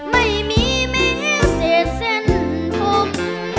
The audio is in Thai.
ไม่มีแม่เสร็จเส้นพบ